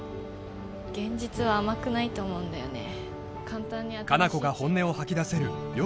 現実は甘くないと思うんだよね